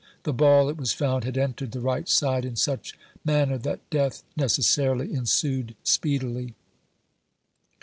The ball, it was found, had entered the right side in such manner that death neces sarily ensued speedily.